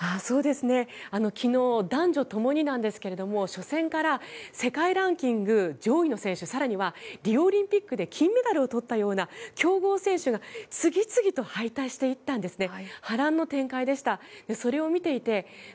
昨日男女共になんですけど初戦から世界ランキング上位の選手更にはリオオリンピックで金メダルをとったような強豪選手が次々と敗退していったんです。